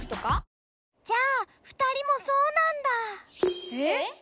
じゃあ２人もそうなんだ。え？